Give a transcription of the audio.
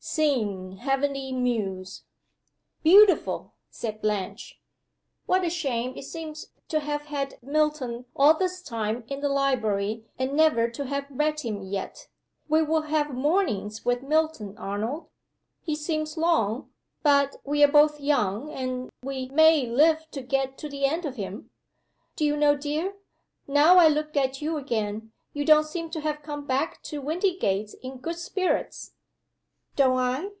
Sing heavenly Muse " "Beautiful!" said Blanche. "What a shame it seems to have had Milton all this time in the library and never to have read him yet! We will have Mornings with Milton, Arnold. He seems long; but we are both young, and we may live to get to the end of him. Do you know dear, now I look at you again, you don't seem to have come back to Windygates in good spirits." "Don't I?